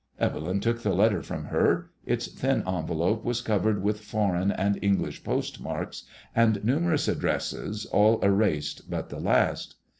Evelyn took the letter from her. Its thin envelope was covered with foreign and English postmarks, and numerous ad dresses, all erased but the last.